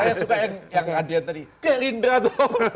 saya suka yang adian tadi gerindra tuh